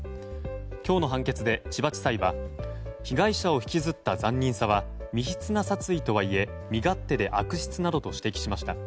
今日の判決で千葉地裁は被害者を引きずった残忍さは未必な殺意とはいえ身勝手で悪質などと指摘しました。